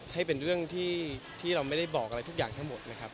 ให้เป็นเรื่องที่เราไม่ได้บอกอะไรทุกอย่างทั้งหมดนะครับ